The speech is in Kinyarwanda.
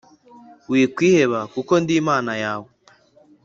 wikwiheba, kuko ndi Imana yawe.